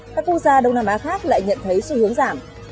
các quốc gia đông nam á khác lại nhận thấy xu hướng giảm